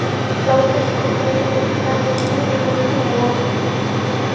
Su hábitat se compone de principalmente de bosque nuboso.